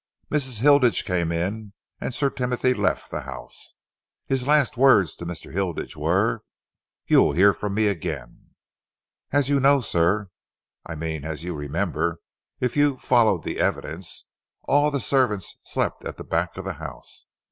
Mrs. Hilditch came in and Sir Timothy left the house. His last words to Mr. Hilditch were, 'You will hear from me again.' As you know, sir I mean as you remember, if you followed the evidence all the servants slept at the back of the house.